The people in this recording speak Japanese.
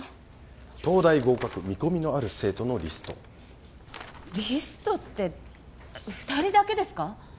東大合格見込みのある生徒のリストリストって二人だけですか？